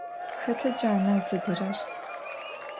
Xeta caner zıdırer?